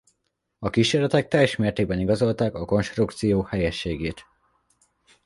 A kísérletek teljes mértékben igazolták a konstrukció helyességét.